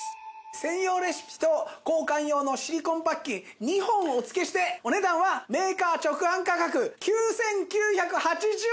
専用レシピと交換用のシリコンパッキン２本をお付けしてお値段はメーカー直販価格９９８０円なんですが！